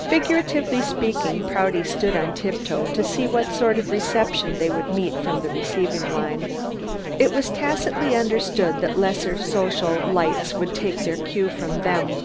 Figuratively speaking, Prouty stood on tip toe to see what sort of reception they would meet from the receiving line. It was tacitly understood that lesser social lights would take their cue from them.